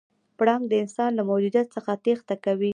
پړانګ د انسان له موجودیت څخه تېښته کوي.